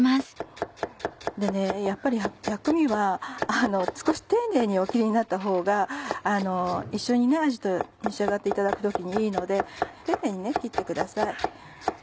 やっぱり薬味は少し丁寧に切ったほうが一緒にあじと召し上がっていただく時にいいので丁寧に切ってください。